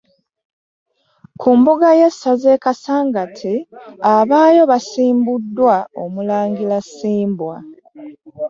Ku mbuga y'essaza e Kasangati, abaayo baasimbuddwa omulangira Ssimbwa.